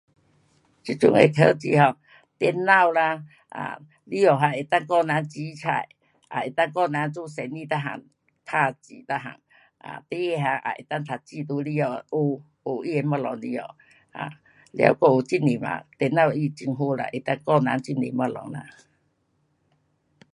这阵的科技 um 电脑啦，啊，里下还能够教人煮菜，也能够教人做生意每样，打字每样，啊，孩儿 um 也能够读书在里下学，学它的东西里下。啊，了还有很多嘛，电脑它很好啦，能够教人很多东西呐。